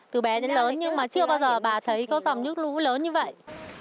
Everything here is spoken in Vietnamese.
từ bé đến lớn nhưng mà chưa bao giờ bà thấy có dòng nước lũ lớn như vậy